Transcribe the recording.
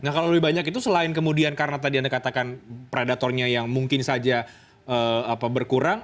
nah kalau lebih banyak itu selain kemudian karena tadi anda katakan predatornya yang mungkin saja berkurang